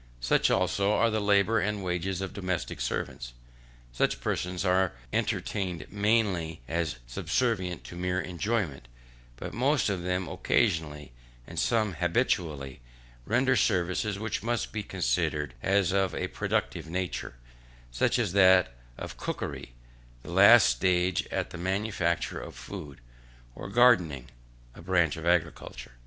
Such, also, are the labour and the wages of domestic servants. Such persons are entertained mainly as subservient to mere enjoyment; but most of them occasionally, and some habitually, render services which must be considered as of a productive nature; such as that of cookery, the last stage in the manufacture of food; or gardening, a branch of agriculture.